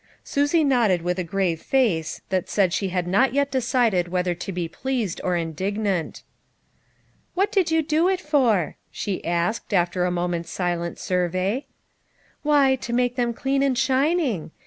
Susie nodded with a grave face that said she had not yet decided whether to be pleased or indignant. i' What did you doit for?" she asked, after a moment's silent survey. " Why, to make them clean and shining.